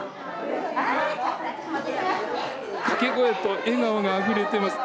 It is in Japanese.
掛け声と笑顔があふれてます。